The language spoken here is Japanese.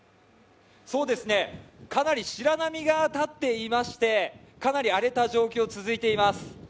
かなり白波が立っていまして、かなり荒れた状況続いています。